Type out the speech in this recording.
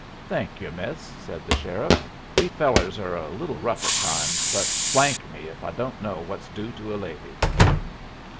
"Thank yer, miss," said the sheriff. "We fellers are a little rough at times, but me if we don't know what's due to a lady."